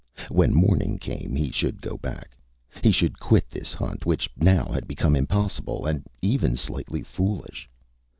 When morning came, he should go back. He should quit this hunt which now had become impossible and even slightly foolish.